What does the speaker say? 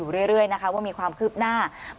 อันดับที่สุดท้าย